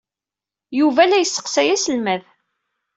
Yuba la yesseqsay aselmad.